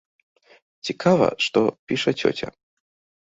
Цікава, што піша цёця.